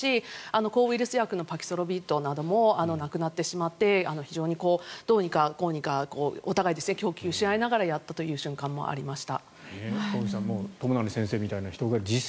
抗ウイルス薬のパキロビッドがなくなってしまって非常にどうにかこうにかお互い供給し合いながらやったという瞬間もありました。